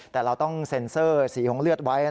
แต่เราต้องเซ็นเซอร์สีของเลือดไว้